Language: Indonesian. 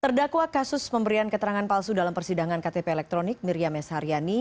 terdakwa kasus pemberian keterangan palsu dalam persidangan ktp elektronik miriam s haryani